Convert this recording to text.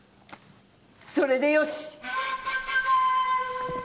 それでよし。